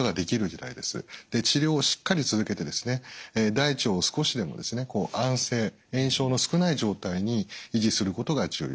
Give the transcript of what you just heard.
治療をしっかり続けて大腸を少しでも安静炎症の少ない状態に維持することが重要。